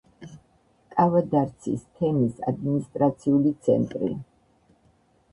კავადარცის თემის ადმინისტრაციული ცენტრი.